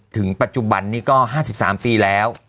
ถึงปัจจุบันนี้ก็๕๓ปีแล้ว